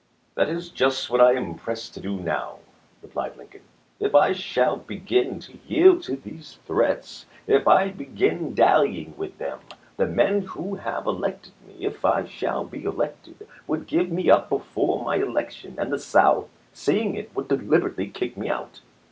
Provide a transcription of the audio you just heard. " That is just what I am pressed to do now," replied Lincoln. " If I shall begin to yield to these threats, if I begin dallying with them, the men who have elected me (if I shall be elected) would give me up before my election, and the South, seeing it, would deliberately kick me out.